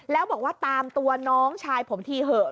แล้วบอกว่าตามตัวน้องชายผมทีเถอะ